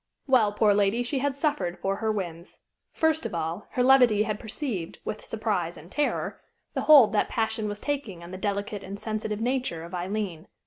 Well, poor lady, she had suffered for her whims. First of all, her levity had perceived, with surprise and terror, the hold that passion was taking on the delicate and sensitive nature of Aileen.